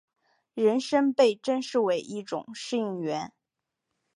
人参被珍视为一种适应原。